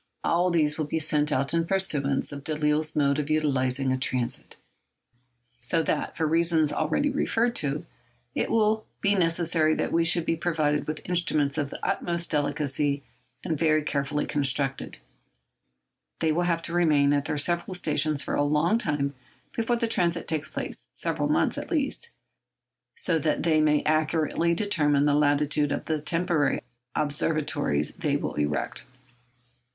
All of these will be sent out in pursuance of Delisle's mode of utilising a transit, so that, for reasons already referred to, it will be necessary that they should be provided with instruments of the utmost delicacy, and very carefully constructed. They will have to remain at their several stations for a long time before the transit takes place—several months, at least—so that they may accurately determine the latitude of the temporary observatories they will erect.